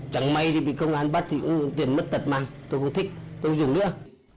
chẳng may thì bị công an bắt thì cũng tiền mất tật mang tôi không thích tôi dùng nữa